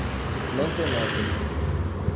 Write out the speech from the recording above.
Mantenópolis